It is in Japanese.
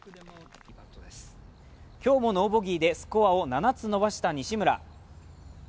今日もノーボギーでスコアを７つ伸ばした西村。